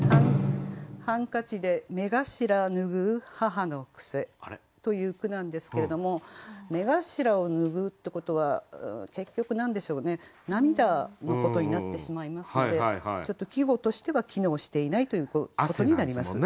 「ハンカチで目頭拭う母の癖」という句なんですけれども目頭を拭うってことは結局何でしょうね涙のことになってしまいますのでちょっと季語としては機能していないということになりますね。